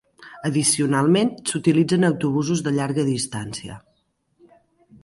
Addicionalment, s'utilitzen autobusos de llarga distància.